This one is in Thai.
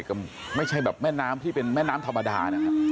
ก็ไม่ใช่แบบแม่น้ำที่เป็นแม่น้ำธรรมดานะครับ